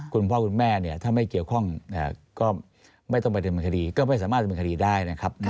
คุณพ่อคุณแม่ถ้าไม่เกี่ยวข้องก็ไม่ต้องไปดำเนินคดีก็ไม่สามารถดำเนินคดีได้นะครับ